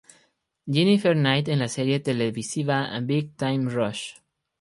Jennifer Knight en la serie televisiva "Big Time Rush".